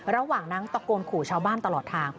ระหว่างนั้นตะโกนขู่ชาวบ้านตลอดทาง